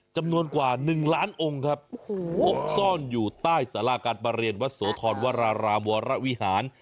จำนวนกว่า๑ล้านองค์ครับพบซ่อนอยู่ใต้สาราการประเรียนวัดโสธรวรารามวรวิหาร